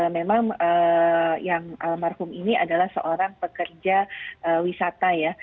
memang yang almarhum ini adalah seorang pekerja wisata ya